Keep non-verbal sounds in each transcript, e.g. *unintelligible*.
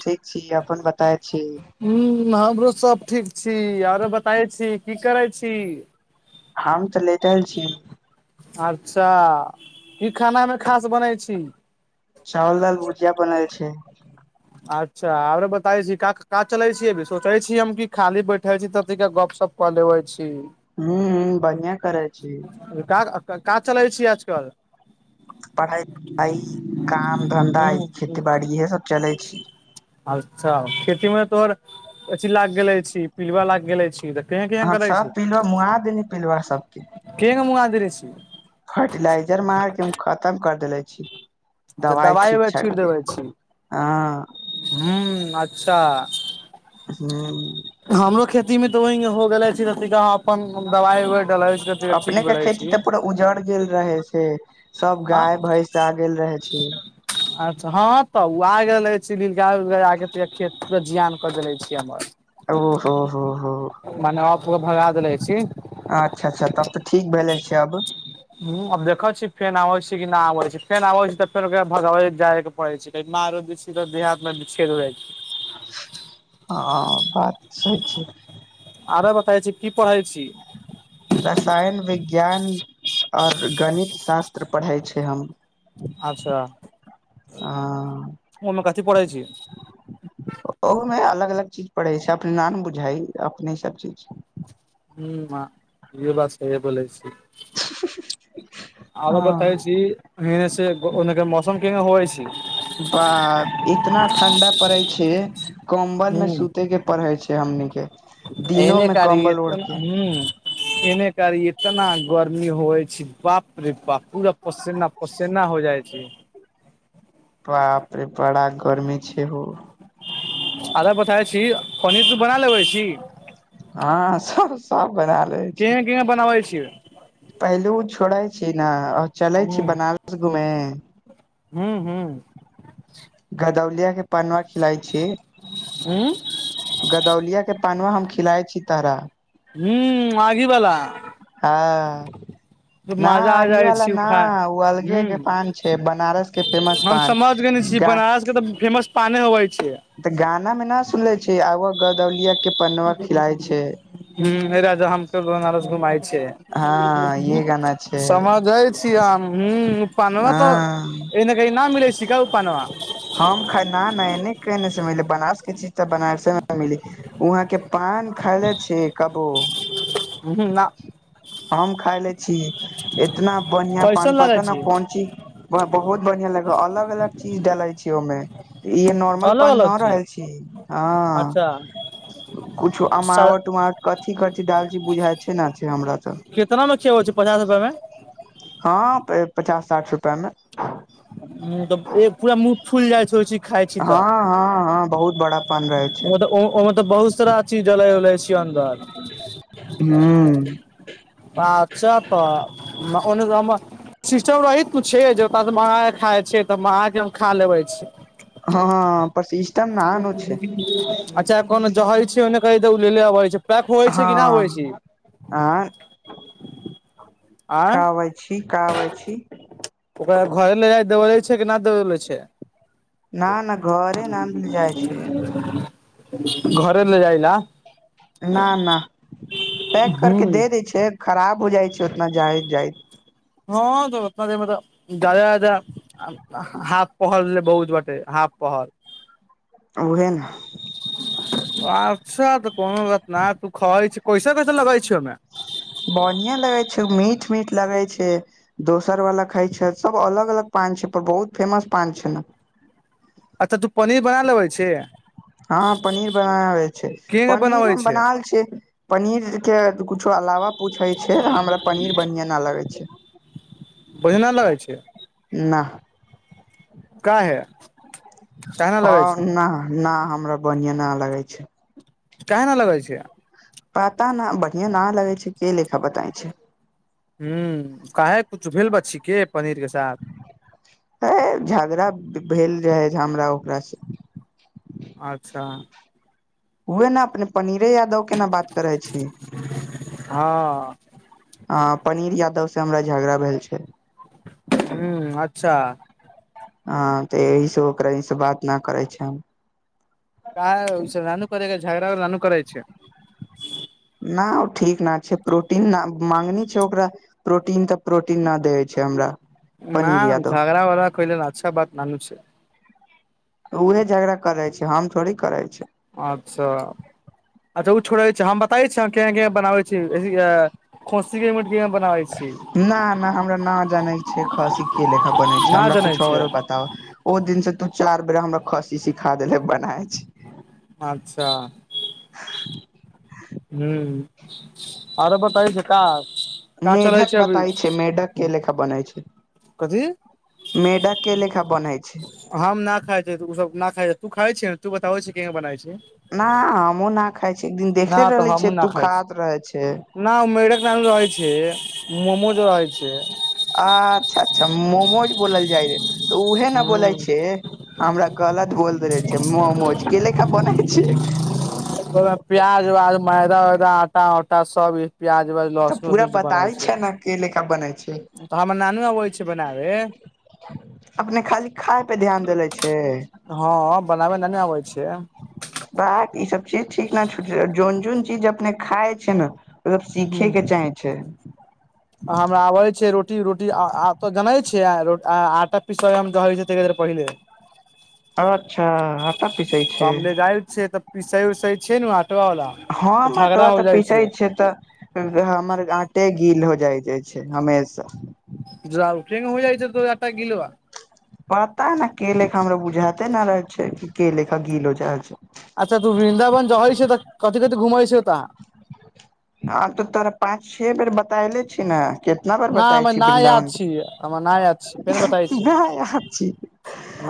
ठीक छी अपन बताय छी हूँ हमरो सब ठीक छी आरो बताय छी की करै छी हम तऽ लेटल छी अच्छा की खानामे खास बनै छी चावल दाल भुजिया बनल छै बताय छी काक् का चलै छी अभी सोचै छी हम कि खाली बैठल छी त तैका गपशप कऽ लेबै छी हू हू बढ़िआ करै छी का का चालै छी आजकल पढ़ाई आइ काम धंधा ई हूँ खेतीबाड़ी इएह सभ चलै छी अच्छा खेती में तोहर अथी लागि गेले छी पिलूवा लागि गेले छी केहें केहें हँ करै छी सब पिलुआ मुहा देनी पिलुआ सबके कग मुआ देवे छै फर्टि लाइजर मार के हम खतम कर देले छी अच्छा दवाई दबाइ उ छाट छीट के देबै छी हँ ह अच्छा ह हमरो खेती मे तऽ वहि हो भेले छी तऽ अपन दवाइ उवाई डले छी ठीक अपने के भेले खेती छी तऽ पूरा उजड़ गेल रहे छै सब हँ गाय भैंस आ गेल रहे छै क अच्छा हाँ तऽ आग रहले नीलगा उला खेत परा जियान कर देले छिय हमर ओ हो हो हो मने अब पूरा भगा देले छी अच्छा अच्छा तब तऽ ठीक भेले छै अब ह आब देखै छीियै फेन आबै छी कि नहि आबै छै फेन आबै छै तऽ फेर भगै जाय के पड़े छै मार दै छी तऽ देहाती छेड़ जाइ छै हाँ बात सहि छै आरे बताै छी कि पढ़ाई रसायन विज्ञान ज्ञान आर गणित शास्त्र पढ़ै छै हम अच्छा हँ ओ मे कथी पढ़ै छी ओहो में अलग अलग चीज पढ़ै छै अप नाम बुझाइ अपने सब चीज छै हु आ सहिए बोलै छै *inaudible* आरो बतैबे हँ छी एने से उने मौसम के होइ छै बा इतना ठंडा पड़े छै कम्बल में ह सुते के पड़े छै हमनी कऽ के दिनो एने में कारी ई कम्बल ओढ़ के ह एने करी इतना गर्मी होइ छै बाप रे बाप पूरा पसेना पसेना हो जाइ छी बाप रे बड़ा गर्मी छै हौ आधा बताय छी पनीर तू बना लेबै छी हँ सब सब बना ले छी केहन केहन बनाबै छी पहिलुज छोड़े छी न आ चले छी बनारस घूमे हुँ हुँ गदौलिया के पनवा खिलाइ छी हँ गदौलिया के पानबा हम खिलााय छी तोरा ह्मं आगीबला हँ तऽ ना मज़ा आ आगी जाइ वाला छी उ ना खाए ओ ह अलगे के पान छै बनारस के फेमस हम पान समझ गेल गा बनारस के तऽ फेमस पाने होव छै तऽ गाना में न सुने छी आब गदौलिया के पनवा खिलाय छै ह राजा हमके बनारस घुमाय छै हँ ये गाना छै समझै छीय हम हु पानवा हँ तऽ एने कही न मिलै छिका उ पानवा हम ख ना ना एने केने से मिली बनारस के चीज तऽ बनारसे मे मिली वहाँ के पान खैले छी कबो हु ना हम खााय ले छी इतना बढ़ियां पान कैसन लगै पता ने छी कोन चीज व बहुत बढ़िया लगब अलग अलग चीज डेले छी ओमे ई नॉर्मल अलग पान अलग न रहल छी हँ अच्छा कूछो सा अमावट उमाावट कथी करथी डालच बुझाय छै ने हमरा तऽ कितना मे ख होइ छै पचास रुपआ मे हँ पचास साठ रुप्या मे ह तऽ पूरा मुह फुलि जाइ छै ओ चीज खाइ छी हँ तऽ हँ हँ बहुत बड़ा पान रहे छै ओ तऽ ओहिमे तऽ बहुत सारा चीज लै उलै छिय अन्डर ह अचछा तऽ ओने से हमर सिस्टम रही किछ छै जेत मगाे खाइ छै तऽ मगाक हम खा लेबै छी हँ पर सिस्टम नानु छै अच्छा कोन जहरी छै ओने कहि दे उ ल लेबै छै पैक होइ छै हँ कि नहि होइ छै आँय काबै छी काबै छी ओकरा घरे ले जाइ देबले छै कि नहि देबले छै न न घरे न मिल जाइ छै *unintelligible* घरे ले जाइ ने न न पैक हूँ करके दे दै छै खराब हो जाइ छै उतना जायत जायज हँ तऽ रत्नाजिमे तऽ जाज हथ पहरै बहुत बटे ह *unintelligible* आ पहल उहे ने सुन तऽ कोनो बात नहि तू खाई छ पैसा कैसे लगाई छी ओमे बढ़िया लगे छै मीट मीट लगे छै दोसर वाला खाई छै सब अलग अलग प पान छै पर बहुत फेमस पान छै ने अच्छा तू पनीर बना लेबै छे हँ पनीर बनाबए छै किंग पनीर बनाबै हम छै बनाल छियै पनीर के किछो अलावा पूछे छै हमरा पनीर बढ़िया न लगे छै ओहिना लगै छै ना काहे कहना हँ लगै छै न न हमरा बढ़िया न लगे छै काहेना लगै छै पता न बढ़िआ न लगै छै के लेखा बताइ छै हुँ काहे कुछु भेल बचछी के पनीर के साथ हेय झगड़ा भेल रहै छै हमरा ओकरासँ अच्छा उहे न अपने पनीर यादव के न बात करै छी हँ हँ पनीर यादव से हमरा झगड़ा भेल छै हूँ अच्छा हँ तऽ एहिहसँ ओकरासँ बात नहि करै छिये हम काहे लनू करै झगरा व लनू करै छै *unintelligible* न ओ ठीक ने छै प्रोटीन माँगनी छै ओकरा प्रोटीन तऽ प्रोटीन न देवै छै हमरा पनीर न यादव झगड़ा वगड़ा कइले वि अच्छा बात ननू छै उहे झगड़ा करै छै हम थोरही करै छिये अच्छा अच्छा ओ छोड़ै छै हम बताय छी केहाँ केह बनाबे छी खसि के मीट केना बनाबै छी न न हमरा न जानै छै खसि केेलेखा बनै छै ना हमरा जनै कूछो छै आओर बताब ओ दिन से तू चार बेर हमरा खसि सिखा देेले बनाय छी अच्छा *inaudible* हूँ आरो बताबै छिये का का चलै मेढ़क अभी बताइ छै मेढ़क के लेखा बनइ छै कथी मेढ़क के लेखा बनइ हम न खाइ छै उ सब खाय छै तू खाय छ तू बताबै छै केंगा बनाय छै न हमहुँ न खाय छियै एक दिन देखले रहले छै तू खात रहे छै न उ मेढ़क ना रहै छै मोमोजो रहै छै अच्छा अच्छा मोमोज बोलल जाय रहे तऽ उहे न बोलै हूँ छै हमरा गलत बोल दे रहै छै मोमोज केे लेखा बनाइ छै ओहिमे प्याज उयाज मैदा उदा आटा उटा सब ई प्याज व्याज तऽ पूरा लसनसु बनाय बताबै छै ने के लेखा बनै छै तऽ हमरा नानू अबै छै बनाबे अपने खाली खाय पे ध्यान देेले छै हँ बनाबे नानू आबै छै भाक ई सब चीज ठीक ने ज जोन जोन चीज अपने खाय छे न एक बेर सीखे के चाहे छे हमरा आबै छै रोटी रोटी रोटी आ आब र जानै छै आ आटा पिस जै छै ते य दुआरे पहिले अच्छा आटा पिसै छै पिसइ उसई छै ने आ हाँ म अटबा तऽ पीसे छिये तऽ हमर आटे गील हो जाइ जाइ छै हमेशा जा फेग होइ जाइ छै तोहर आंटा गिलवा पता ने के लेखा हमरा बुझाते न रहे छै कि के लेखा गीलो जाइ छै अच्छा तू बा *inaudible* आब तऽ तोरा पाँच छे बेर बतायले छी ने कितना बेर ना बताय हमरा छी ना बृन्दावन याद छी हमरा ना याद छी फेर बताै छी नहि अछी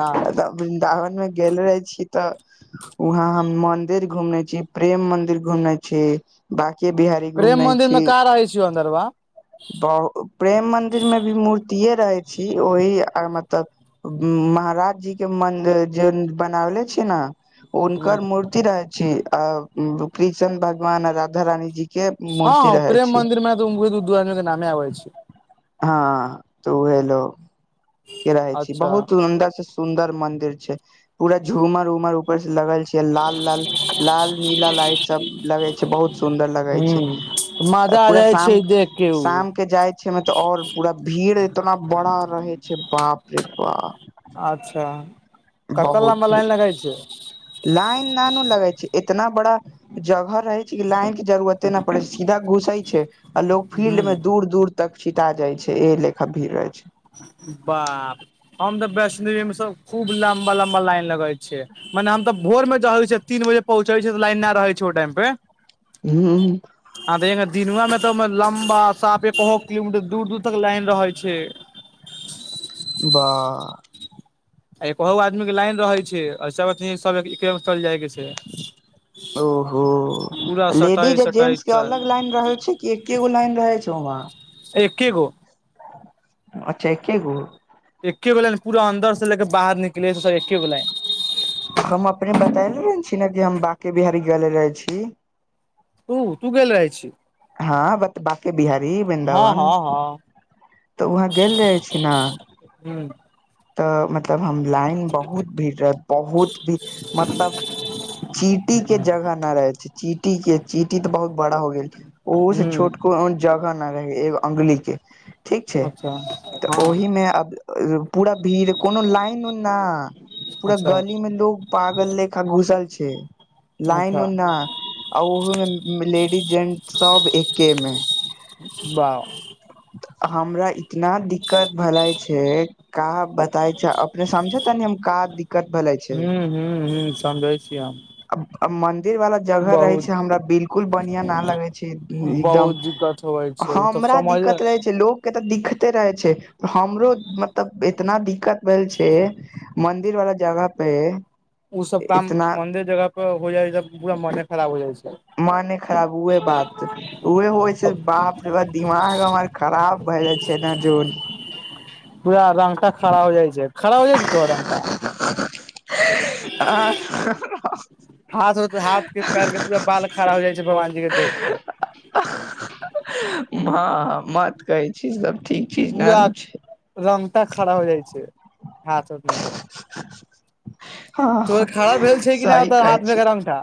ना वृन्दावन मे गेल रहै छी तऽ वहाँ हम मंदिर घूमने छी प्रेम मंदिर घुमने छी बा के बिहारी प्रेम घूमनाइ मंदिर मे छी का रहै छियौ अन्दरबा बहु प्रेम मदिरमे भी मूर्तिये रहै छी ओहि मतलब महाराज जी के मन्दिर जे बनावले छी न हँ हुनकर मूर्ति रहैत छी आ किशन भगवान आ राधा रानीजी हँ हँ प्रेम मन्दिरमेने तऽ उहे दु दु आदमी के नामे आबै छै हँ तऽ उहे लोग के रहै छी अच्छा बहुत उ अन्दर से सुन्दर मन्दिर छै पूरा झूमर उमर उपर लगल छै लाल लाल लाल नीला लाइट सब लगे छै बहुत सुंदर लगे छै माजा आ पूरा जाय शाम छै देख के उ शाम के जाय छै ओयमे तब और पूरा भीड़ एतना बड़ा रहे छै बाप रे बाप कतअ बहुत लंबा भीड़ लाइन लगाइ छै लाइन ननू लगे छै इतना बड़ा जगह रहै छै कि लाइन के जरूुररते नहि पड़ै छै सीधा घुसै छै आ लोग फील्ड हूँ में दूर दूर तक छिटा जाइ छै ए लेखा भीड़ रहै छै बाप हम तऽ वैष्णो देवी में सब खूब लम्बा लम्बा लाइन लगे छै मने हम त भोर मे ज रहै छै तीन बजे पहुँचै छै त लाइन नहि रहै छै ओ टाइम मे हूँ आ तगर दिनवामे एकदम लम्बा साफ एकहु किलोमीटर दूर दूर तक लाइन रहे छै बा आ एकहहु आदमीके लाइन रहै छै आ सभ सभ एकेमे चल जायके छै ओहो पूरा सटाइ लेडीज आ सटाइ जेंटस के चल अलग लाइन रह छै कि एकेगो लाइन रहे छै ओ वा एक्के गो अच्छा एकेगो एकेगो लाइन पूरा अंन्दर से ले के बाहर निकले सब एकेगो लाइन हम अपने बतयले रह छी ने कि हम बाँके बिहारी गेल रहैइ छी तू तू गेलल रहैइ छी हां बत बाकी बिहारी हँ वृन्दावन हँ हँ तऽ वहाँ गेल रहे छी न हूँ *inaudible* तऽ मतलब हम लाइन बहुत भीड़ रह बहुत भीड़ मतलब ची चीटी के जगह न रहैइ छैइ ची चिटी के चींटी ते बहुत बड़ा हो गेल ओहो से हूँ छोटको जगह न रहेए एगो अंगली के ठीक छैइ अच्छा तऽ ओहि हँ में अब पूरा भीड़ कोनो लाइन उन ना पूरा अच्छा गली में लोग पागल लेखा घुसल छै अच्छा लाइन उइन ना आ ऊहो में लेडिज जेन्ट सब एकेमे वाह हमरा इतना दिक्कत भलाए छै का बताय छै अपने समझे तानी हम का दिक्कत भेलै आइ छै हूं हूं समझय छी हम अ मंदिर वाला जगह रहैइ बहुत छैइ हमरा बिलकुल बढ़िया न लगै छैइ एकदम बहुत दिक्कत होबै छै ओ तऽ हमरा समझ दिक्कत रहैय छैइ लोक तऽ दिखते रहैय छैय हमरो मतलब इतना दिक्कत भेल छैय मंदिर वाला जगह पे ऊ सब काम इतना मन्दिर जगह पे हो जाइ त पूरा मने खराब हो जाइ छैइ अपने खराब हुए बात उहे होइ छैय बाप रे बाप दिमाग हमर खराब भ जाइ छैय ने जोन पूरा रंगटा खड़ा हो जाइ छैइ खड़ा हो जाइ छैइ तोरा रंगटा आ हाथ हो हाथ के पैर के पूरा हं बाल खड़ा हो जाइ छै भगवान जी के देख के *inaudible* हां मत कहैइ छी सब ठीक चीज पूरा न छै रंगटा खड़ा हो जाइ छैइ हाथ उथ में के हँ तो खड़ा भेल छैइ कि नई ओ सही तोहर कहै हाथ में छी के रंगटा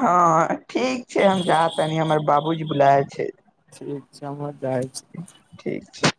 हँ ठीक छैइ हम जातनि हमर बाबूजी बुलाए छैय समध ठीक छै